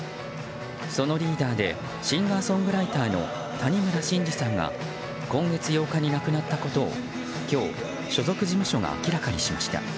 そのリーダーでシンガーソングライターの谷村新司さんが今月８日に亡くなったことを今日、所属事務所が明らかにしました。